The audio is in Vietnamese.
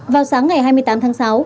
vào sáng ngày hai mươi tám tháng sáu